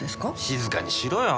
・静かにしろよ。